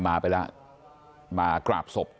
มาไปแล้วมากราบศพ